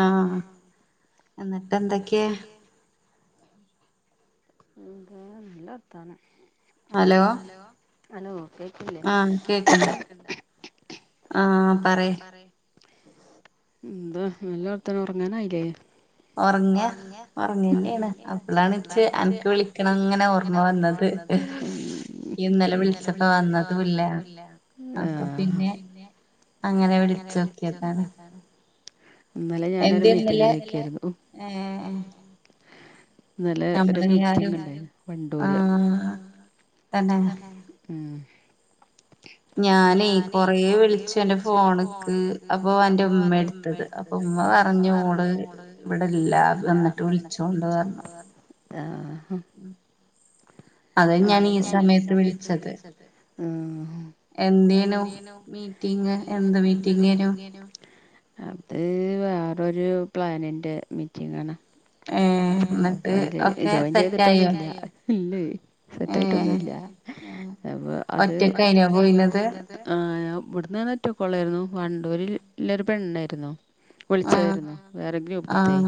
ആഹ് എന്ന്ട്ട് എന്തെക്കെയാ എന്താ നല്ല വർത്താനം അലോ അലോ കേക്കില്ലേ ആ പറയ് എന്താ നല്ല വർത്താനം ഒർങ്ങാനായിലേ ഒർങ്ങ ഒർങ്ങന്നെണ് അപ്പളാണ്ച്ച് അൻക്ക് വിളിക്കണംങ്ങനെ ഓർമ്മ വന്നത് അതെ ഉം ഇന്നലെ വിളിച്ചൊക്കെ വന്നതുല്ല ആ പിന്നെ അങ്ങനെ വിളിച്ചൊക്കേതാണ് ഇന്നലെ ഞാനൊരു മീറ്റിങ്ങിന്ഒയ്ക്കേര്ന്നു ഇന്നലെ ഒര് മീറ്റിംഗ് ഉണ്ടാര്ന്നു വണ്ടൂര് ഉം ഞാനയ് കൊറെ വിളിച്ചു അന്റെ ഫോണ്‌ക്ക് അപ്പൊ അന്റെ ഇമ്മ ഇട് ത്തത് അപ്പ ഇമ്മ പറഞ്ഞു ഓള് ഇവടെല്ലാ വന്ന്ട്ട് വിളിച്ചോണ്ട്ർഞ്ഞ് ആഹ് ഹം അതാ ഞാന് ഈ സമയത്ത് വിളിച്ചത് എന്തെനു മീറ്റിംഗ് എന്ത് മീറ്റിങ്ങേനു ഇനു [inaudible] അത് വേറൊരു പ്ലാനിൻ്റെ മീറ്റിങ്ങാണ് അയ്ല് ജോയിൻ ചെയ്ത്ട്ടൊന്നുല്ല ഇല്ലേ സെറ്റായിട്ടൊന്നുല്ല അപ്പൊ അത് ആഹ് ഞാൻ ഇബ്ട്ന്ന്ന്നറ്റോ കൊള്ളാര്ന്നു വണ്ടൂരിൽല്ലരു പെണെര്ന്നു വിളിച്ചായിര്ന്നു വേറെ ഗ്രൂപ്പ്ത്തേ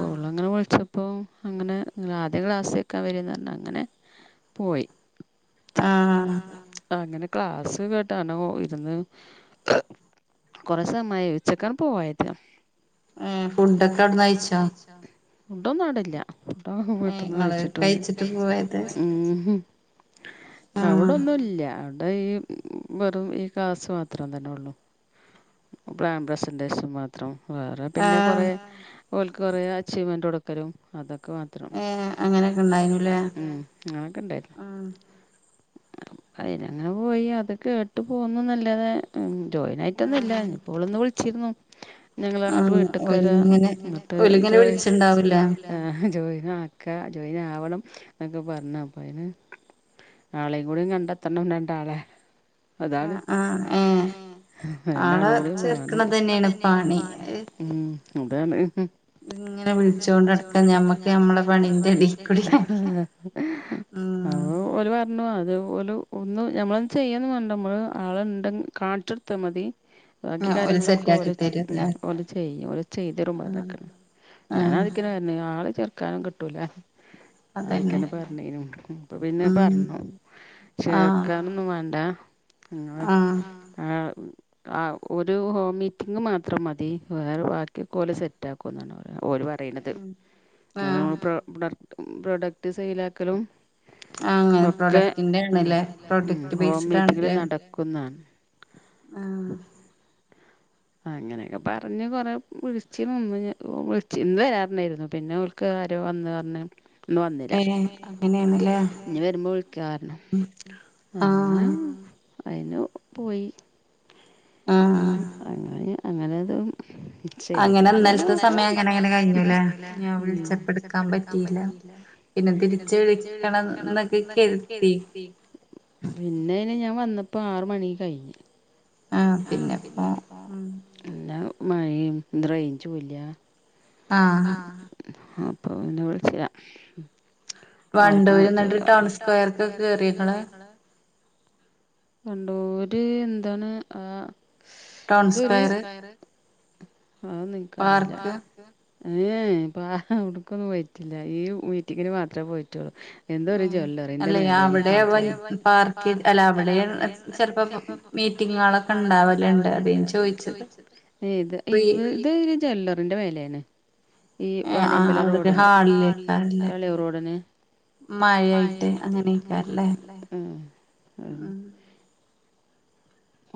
ഓള് അങ്ങനെ വിളിച്ചപ്പോ അങ്ങനെ ഇങ്ങള് ആദ്യ ക്ലാസ് എക്കാൻ വരിംന്ന്ർഞ്ഞ് അങ്ങനെ പോയി ആഹ് അങ്ങനെ ക്ലാസ് കേട്ട ണോ ഇര്ന്ന് കുറെ സമയായി ഉച്ചക്കാണ് പോയത് ഫുഡോന്നും അവടെല്ലാ ട്ടോ വീട്ട്ന്ന് കഴിച്ചിട്ട് പോയ ഉം അവിടൊന്നുംല്ലാ അവടെ ഈ ബെറും ഈ ക്ലാസ്സ് മാത്ര തന്നെ ഒള്ളൂ ബ്രാൻ പ്രസന്റേഷൻ മാ ത്രം വേറെ പിന്നെ കുറെ ഓൽക്ക് കുറെ അച്ചീവ്മെന്റ് കൊട്ക്കലും അതൊക്കെ മാ ത്രം അങ്ങനൊക്കെ ഇണ്ടായിനുല്ലേ ഉം അങ്ങനൊക്കെ ഇണ്ടാന്നു അയ്ലങ്ങനെ പോയി അത് കേട്ട് പോന്നു ന്നല്ലാതെ ഉം ജോയ്ന് ആയിട്ടൊന്നും ഇല്ല ഇപ്പോള്ന്ന് വിൾച്ചിര്ന്നു ഞങ്ങള് അങ്ങട്ട് വീട്ട്ക്ക് വരാ [unintelligible] വിളിച്ച്ണ്ടാവല്ലേ ആഹ് ജോയ്ന് ആക്ക ജോയ്ന് ആവണം ന്നൊക്കെ പറഞ്ഞപ്പയ്ന് നാളെ കൂടി കണ്ടെത്തണം രണ്ടാളെ അതാണ് രണ്ടാളുംകൂടെ വാണം ആളെ ചേർക്കുന്നതാണേ പാട്. ഉം അതാണ്. ഇങ്ങനെ വിളിച്ചോണ്ട് നടക്കാ ഞമ്മക്ക് ഞമ്മളെ പണിന്റെ എടെല് [unintelligible] അഹ് ഓല് പറഞ്ഞു അത് ഓല് ഒന്ന് ഞമ്മളൊന്നും ചെയ്യന്നുംവാണ്ട മ്മള് ആള്ണ്ടെ കാണിച്ച് ഇപ്പ മതി ബാക്കി കാര്യങ്ങളൊക്കെ ഓല് ഓല് ചെയ്യും ഓല് ചെയ്തരും പറഞ് ഞാനാതിക്കന്നെ വര്ണെ ആളെ ചേർക്കാനും കിട്ടൂല. അതിക്കനെ പറഞ്ഞിനു അപ്പപിന്നെ പറഞ്ഞു ചേർക്കാനും ഒന്നും വാണ്ട ആഹ് ആഹ് ഒരു ഹോം മീറ്റിംഗ് മാത്രം മതി വേറെ ബാക്കി ഓല് സെറ്റ് ക്കും ന്നാണ് ഓല് പറയ്ണത് അഹ് ഓൻ പ്ര പ്രഡക് പ്രൊഡക്റ്റ് സെയിലാക്കലും ഒക്കെ ഹോം മീറ്റിങ്ങില് നടക്കുംന്നാ ആഹ് അങ്ങനെഒക്കെ പറഞ്ഞ് കൊറേ പ്ഴ് ച്ചി മുമ്പ് ഇന്നെ വിളിച്ചിന്നു ഇന്ന് വരാപറഞ്ഞിന്നു പിന്നെ ഓല്ക്ക്‌ ആരോ വന്ന് പറഞ് ന്ന് വന്നീലാ ഇനിവരുമ്പ വിളിക്കാറഞ്ഞു അങ്ങനെ അയ്ന് പോയി അങ്ങനെയാ. അങ്ങനെതും ചേ അങ്ങനെ ഇന്നലത്തെ സമയം അങ്ങനെ അങ്ങനെ കഴിഞ്ഞുലെ ഉം ഞാൻ വ്ൾച്ചപ്പടുക്കാൻ പറ്റില. പിന്നെ തിരിച്ച് വിളിക്കണം ന്നൊക്കെ കര്തി പിന്നെ അയ്ന് ഞാൻ വന്നപ്പോ ആറ്മണി കഴിഞ്. ആഹ് പിന്നെപ്പോ നല്ല മഴേം റെയ്ഞ്ചുല്ല. ആഹ് അപ്പം ഇന്ന് വ്ള്ച്ചാ ആർക്കും വിച്ചൂല [unintelligible] ടൗൺ സ്ക്വയറിക്ക് കേറിക്ക്ണ് ‌ കണ്ടോര് എന്താണ് ആഹ് എന്ത ഒര് [unintelligible] അതോന്നും ഇനിക്കറിയില്ല. ഏഹ് പാ അവ്ട്ക്കൊന്നും പോയിറ്റില്ല ഈ മീറ്റിങ്ങിന് മാത്രമേ പോയിറ്റൊള്ളു. എന്തോഒര് ജ്വല്ലറിന്റെ മേലേ ആണ് അവ്ടെ അവൻ പാർക്കി അല്ല അവ്ടെണ് ചെലപ്പ മീറ്റിങ്ങ്കളൊക്കെ ഉണ്ടാവല്ണ്ട് അദേ ഞാൻ ചോയിച്ചത് എയ് ദ് ഇവ ഇത് ഒര് ജ്വല്ലറിന്റെ മേലേയാണ്. ഈ വാണിയമ്പലം റോഡിന് കളി റോഡിന്. മയയായിട്ട് അങ്ങനെയക്കാരല്ലേ? ഉം ഉം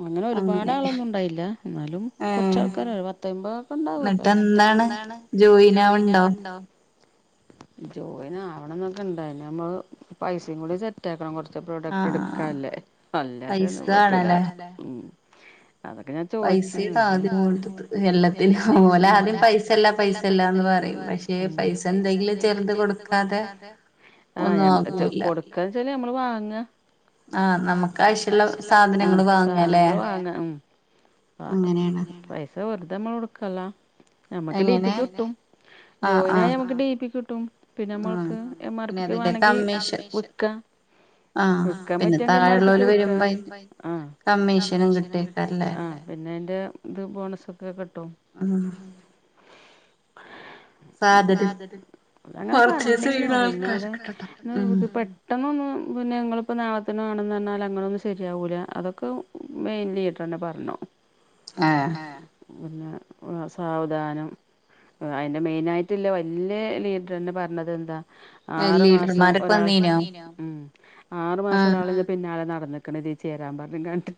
അങ്ങനെ ഒരുപാട് ആളൊന്നും ഉണ്ടായില്ല എന്നാലും കൊറച്ച് ആൾക്കാര് ഒര് പത്തെമ്പതക്കെ ഉണ്ടാവാക്കാരം തെന്നാണ് ജോയിനാവ്ണ്ടോ? ജോലിനാവണം എന്നൊക്കെ ണ്ടായിന് നമ്മ പൈസയും കൂടി സെ റ്റക്കാൻ കൊട്ത്തു പ്രോഡക്ട് എട്ക്കാല്ലേ അല്ലാതെ ഒന്നും പറ്റൂല. ഉമ് അതൊക്കെ ഞാൻ ചോയിചീന്നു പഷേ പൈസന്തെങ്കിലും ചേർത്ത് കൊട്ക്കാതെ ആഹ് ഞ കൊട് ക്കച്ചാല് ഞമ്മള് വാങ്ങ ആഹ് നമ്മക്ക് അവശ്യള്ള സാധനങ്ങ സാധനങ്ങള് വാങ്ങ ഉമ് പൈസ വെറുതെ മ്മള് കൊടുക്കല്ല ഞമ്മക്ക് ഡി പിക്ക് കിട്ടും. ജോയിനായ ഞമ്മക്ക് ഡി പി കിട്ടും പിന്നെ ഞമ്മക്ക് എം ആർ പിക്ക് വേണങ്കി വ്ക്ക. വിക്കാൻ പറ്റിയങ്കി എം ആർ പി ക്ക്‌ വ്ക്കാം ആഹ് കമ്മീഷനും കിട്ടയ്ക്കാരം ആഹ് പിന്നെ അയ്ന്റെ ഇത് ബോണസൊക്കെ കിട്ടും. [unintelligible] പെട്ടെന്നൊന്നും പിന്നെ നിങ്ങളിപ്പോൾ നാളത്തിന വേണന്ന് പറഞ്ഞാൽ അങ്ങനെയൊന്നും ശരിയാവൂല്ല അതൊക്കെ മെയിൻലിട്ട്ന്നെ പറഞ്ഞു ഏഹ് പിന്നെ സാവധാനം അതിന്റെ മെയിനായിട്ടുള്ള വല്യ ലീഡർന്നെ പറഞ്ഞത് എന്താ ആറ് മാസം ഒരാൾ ഉമ് ആറു മാസം ഒരാള് പിന്നാലെ നടന്ന്ക്കണ് ഇതിൽ ചേരാൻ പറഞ്ഞുങ്ങാണ്ട്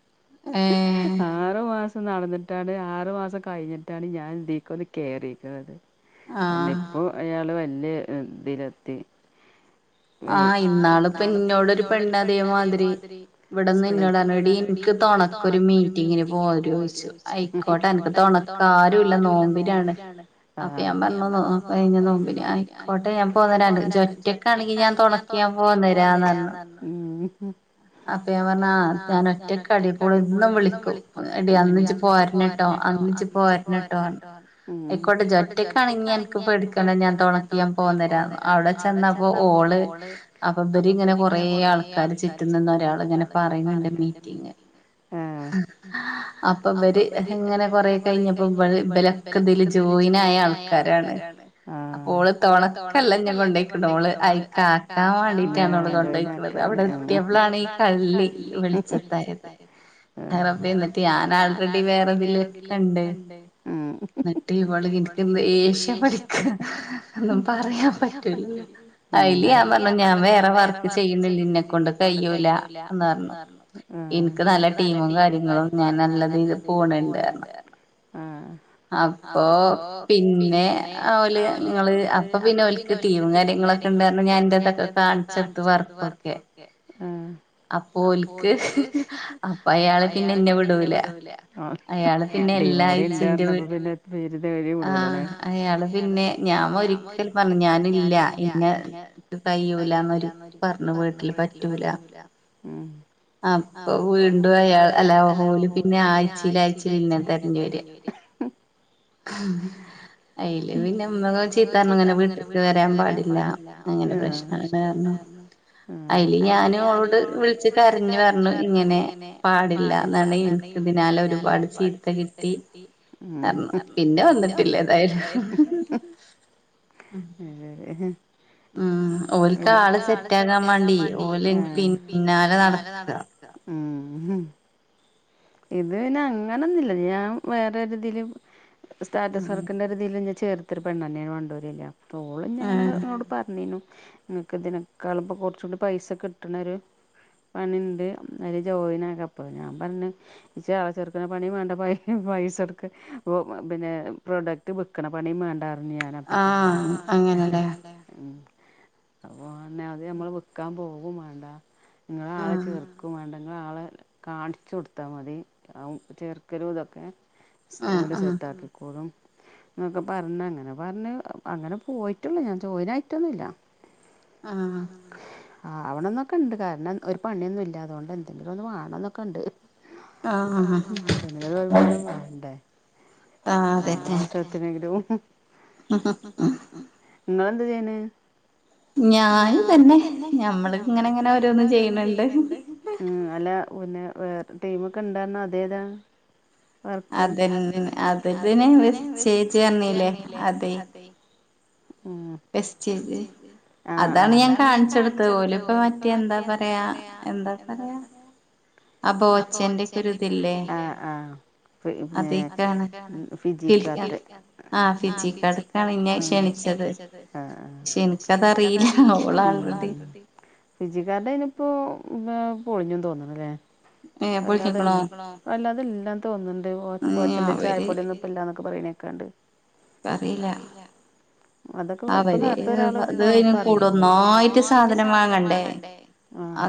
ഏഹ് ആറു മാസം നടന്നിട്ടാണ് ആറു മാസം കഴിഞ്ഞിട്ടാണ് ഞാൻ ഇീതീക്കൊന്ന് കേറിയിരിക്കുന്നത് ഇപ്പോ അയാള് വല്യ ഇതിലത്തി ആഹ് ഇന്നാള്പ്പന്നോടൊരു പെണ്ണ് അതേ മാതിരി ഇവിട്ന്ന് ഇന്നോട് പറഞ്ഞു എടി എനിക്ക് തൊണക്കൊരു മീറ്റിങ്ങിന് പോരോ ചോയ്ച്ചു ഹായ് ആയിക്കോട്ടെ എനക്ക് തെണക്കാരും ഇല്ല നോമ്പിനാണ് അപ്പൊ ഞാൻ പറഞ്ഞു അ കഴിഞ്ഞ നോമ്പിന് ആയി കോട്ടെ ഞാൻ പോന്നരാണ്ട് ജ്ജ് ഒറ്റക്ക് ആണെങ്കിൽ ഞാൻ തുണക്ക് ഞാൻ പോന്നരാ പറഞ്ഞു ഉമ് അപ്പ ഞാൻ പറഞ്ഞു ആ ഞാൻ ഒറ്റക്കാടി അപ്പോൾ ഓള് എന്നും വിളിക്കും എടി ജ്ജ് അന്ന് പോരണം ട്ടോ അ ജ്ജ് പോരണം ട്ടോ ആയിക്കോട്ടെ ജ്ജ് ഒറ്റക്കണെങ്കിൽ അനക് പേടിക്കണ്ട ഞാൻ ഞാൻ പോകുന്നരാ അവിടെ ചെന്നപ്പോ ഓള് അപ്പൊ ഇവരി ഇങ്ങനെ കൊറേ ആൾക്കാര് ചിറ്റി എടുത്തുന്ന് ഒരാളിങ്ങനെ പറയുന്നുണ്ട് മീറ്റിംഗ് ആഹ് അപ്പൊ ഇവര് ഇങ്ങനെ കൊറെ കഴിഞ്ഞപ്പോ ഇ ഇലൊക്കെ ഇതില് ജോയിൻ ആയ ആൾക്കാരാണ് ആഹ് ഓള് തൊണക്കല്ല ന്നെ കൊണ്ടയ് ട്ട് ഓള് അയ്ക്കാക്കാൻ വാണ്ടിട്ട് ഞമ്മളെ കൊണ്ടോയി അവ്ടെത്തിയപ്പളാണ് ഈ കള്ളി വിളിച്ചത് [unintelligible] എന്നിട്ട് ഞാൻ ആൾറെഡി വേറെതില് കണ്ട് മറ്റേ ഇവള് എനക്ക് ദേഷ്യം പഠിക്ക ഒന്നും പറയാൻ പറ്റൂല അയില് ഞാൻ പറഞ്ഞു ഞാൻ വേറെ വർക്ക് ചെയ്യുന്നുണ്ട് ഇന്നെ ക്കൊണ്ട് കഴിയൂല എന്ന് പറഞ്ഞു ആഹ് ടീമും കാര്യങ്ങളും ഞാൻ നല്ല ദീൽ പോകണുണ്ട് പറഞ്ഞു ആഹ് അപ്പൊ പിന്നെ ഒല് ങ്ങള് അപ്പൊ പിന്നെ ഓല്ക്ക് ടീം കാര്യങ്ങളൊക്കെ [unintelligible] ഇന്റെതൊക്കെ കാണിച്ചത് വർക്കൊക്കെ ഉമ് അപ്പൊ ഒൽക്ക് അപ്പ അയാള് പിന്നെ ഇന്നേ വിടൂല ആ ടീമും കൂടി ഇണ്ട് പറഞ്ഞപ്പോ പിന്നെ തീരെ വിടുലല്ലേ ആഹ് അയാൾ പിന്നെ ഞാൻ ഒരി ഞാൻ പറഞ്ഞു ഞ്ഞാനില്ല ഇന്ന പിന്നെ കയൂലന്നൊരിക്കലും പറഞ്ഞു പോയിട്ട് ഇല്ല പറ്റൂല അപ്പോ വീണ്ടും അയാൾ അല്ല ഓല് പിന്നെ ആയിച്ചല് അയിച്ചല് ഇന്നേ തെരഞ്ഞു വരാ [inaudible] അയില് പിന്നെ മ്മങ്ങനെ ചീത്തറഞ്ഞു ഇങ്ങനെ വീട്ട്ക്ക് വരാൻ പാടില്ല പ്രശ്നം ആണ് പറഞ്ഞു അയില് ഞാൻ ഓളോട് വിളിച്ച് കരഞ്ഞു പറഞ്ഞു ഇങ്ങനെ പാടില്ല എന്നാണ് എനക്ക് ഇതിനാലെ ഒരുപാട് ചീത്ത കിട്ടി ഉം പിന്നെ വന്നിട്ടില്ല ഏതായാലും അഹ് ഉം ഒൽക്ക് ആള് സെറ്റ്ആകാൻ വേണ്ടി ഓല് പിന്നാലെ നട ക്ക ഉം ഹും ഇത് പിന്നെ അങ്ങനൊന്നില്ല ഞാൻ വേറെ ഒരുതില് സ്റ്റാറ്റസ് വർക്കിന്റെ ഇതില് ഇന്നെ ചേർതോരു പെണ്ണന്നെയാണ് വണ്ടൂർ ഉള്ള അപ്പോ ഓള് എന്നോട് ഇങ്ങനെ പറഞ്ഞിരുന്നു നിങ്ങക്ക് ഇനെക്കാളും ഇപ്പൊ കുറച്ച് കൂടി പൈസ കിട്ടണ ഒരു പണി ഉണ്ട് അതില് ജോയിനാക്ക്‌ അപ്പം ഞാൻ പറഞ്ഞു ഇച്ച് ആളെ ചെർക്കണ പണിയും വേണ്ട പൈസ എടുത്ത് പിന്നെ പ്രൊഡക്ട് വിക്കണ പണിയും വേണ്ട പറഞ്ഞു ഞാൻ അപ്പത്തന്നെ അപ്പ അത് ഞമ്മൾ വിക്കാൻ പോകും വേണ്ട നിങ്ങൾ ആളെ ചേർക്കും വേണ്ട നിങ്ങള് ആളെ കാണിച്ചു കൊടുത്താൽ മതി ചേർക്കലും ഇതൊക്കെ ഓല് സെറ്റ് ആക്കികോളും എന്നൊക്കെ പറഞ്ഞ അങ്ങനെ പറഞ്ഞ് അങ്ങനെ പോയിട്ടുള്ളു ഞാൻ ജോയിൻനായിട്ടൊന്നുമില്ല ആഹ് ആവണം അന്നൊക്കെ ഉണ്ട് കാരണം ഒരു പണിയൊന്നും ഇല്ല അതുകൊണ്ട് എന്തെങ്കിലും ഒന്ന് വാണന്നൊക്കെ ഉണ്ട് എന്തെകിലും വരുമാനം വേണ്ടേ ആഹ് അതെ അതെ [unintelligible] നിങ്ങള് ന്താ ചെയ്യണെ ഞാന് തന്നെ ഞമ്മൾ ഇങ്ങനെ ഇങ്ങനെ ഓരോന്നും ചെയ്യണണ്ട് അല്ല പിന്നെ വേറെ ടീമൊക്കെ ഉണ്ടായിരുന്നു അതേ എതാ വർക്ക് ഇന് ചേച്ചി പറഞ്ഞില്ലേ അതെ ഉം അതാണ് ഞാൻ കാണിച്ചൊടുത്തത് ഓല് ഇപ്പ മറ്റേ എന്താ പറയാ എന്ത പറയ ആഹ് അഹ് പിന്നെ ഫിജി കാർട് ആഹ് ഫിജി കാർട്ക്ക്‌ എന്നെ ക്ഷണിച്ചത് പക്ഷെ എനിക്കതറിയില്ല നമ്മൾ ഫിജി കാർട് ആയിന് ഇപ്പൊ പൊളിഞ്ഞൂന്ന് തോന്നണല്ലേ അല്ലാതെ അല്ലാതെ ഇല്ലാ തോന്നുന്നുണ്ട് ബച്ചന്റെ ചായ ന്നൊക്കെ പറയേണക്കേക്കാണ്ട് പറയില്ല അതൊക്കെ ഇപ്പൊ നേരത്തെ ഒരാള്ട്ട്പ്പോ ആഹ്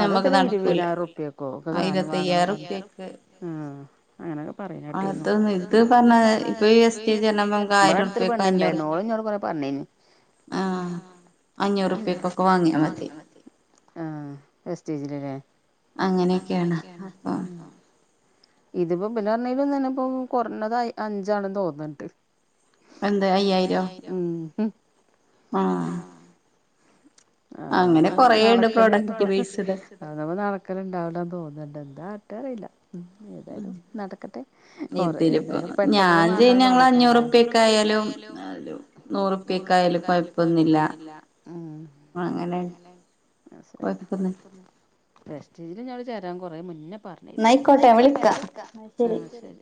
അത് എത്ര ഇരുപതിനായിരം റുപ്പൃയ്ക്കോ ഒക്കെ സാധനം വാങ്ങണം ഉം അങ്ങനെയൊക്കെ പറയ കേട്ടിനു അടുത്തൊരു പെണ്ണുണ്ടായിനു ഓൾ എന്നോട് കൊറെ പറഞ്ഞിനു ആഹ് എസ്റ്റേജിലല്ലേ അങ്ങനെയൊക്കെയാണ് അപ്പോം ഇതിപ്പോ പിന്നെ ഇവര് പറഞ്ഞത് ചെലപ്പോ കൊറഞ്ഞത് അഞ്ചാണ് എന്ന് തോന്നണ്ട് എന്ത് അയ്യായിരം ഉം ആഹ് [unintelligible] അത് ആവുമ്പോ നടക്കൽ ഉണ്ടാവില്ല തോന്നുന്നുണ്ട് എന്താ കാട്ടന്ന് അറിയില്ല ഏതായാലും നടക്കട്ടെ കൊറ ഏതായാലും പെട്ടെന്നും വേണ്ടാ പറഞ്ഞക്കണല്ലോ നൂറുപ്പ്യ ഒക്ക ആയാലും കുഴപ്പൊന്നുമില്ല അങ്ങനെ പ്രസ്‌റ്റിജും ഞങ്ങൾ ചേരാൻ കൊറെ മുന്നേ പറഞ്ഞു എന്ന ആയിക്കോട്ടെ ിക്കോട്ട വിളിക്കാം ശരി